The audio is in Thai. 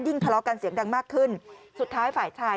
ทะเลาะกันเสียงดังมากขึ้นสุดท้ายฝ่ายชาย